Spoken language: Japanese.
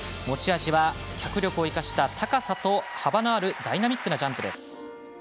持ち味は脚力を生かした高さと幅のあるダイナミックなジャンプです。